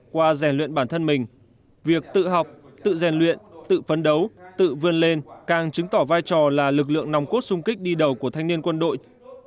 qua rèn luyện bản thân mình việc tự học tự rèn luyện tự phấn đấu tự vươn lên càng chứng tỏ vai trò là lực lượng nòng cốt sung kích đi đầu của thanh niên quân đội